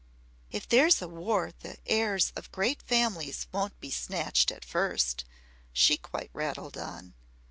"If there's a war the heirs of great families won't be snatched at first," she quite rattled on.